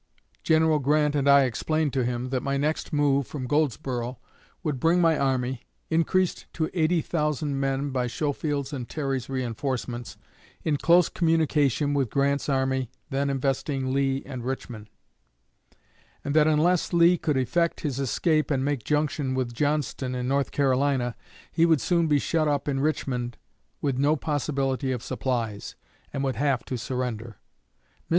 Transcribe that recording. General Grant and I explained to him that my next move from Goldsboro would bring my army, increased to 80,000 men by Schofield's and Terry's reinforcements, in close communication with Grant's army then investing Lee and Richmond; and that unless Lee could effect his escape and make junction with Johnston in North Carolina, he would soon be shut up in Richmond with no possibility of supplies, and would have to surrender. Mr.